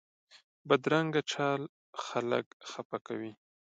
بدرنګه چال خلک خفه کوي